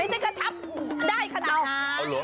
ไม่ได้กระชับได้ขนาดนั้น